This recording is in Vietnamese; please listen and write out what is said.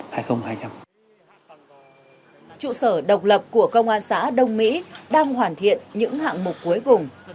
trụ sở độc lập của công an xã đông mỹ đang hoàn thiện những hạng mục cuối cùng